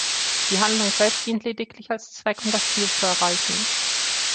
Die Handlung selbst dient lediglich als Zweck, um das Ziel zu erreichen.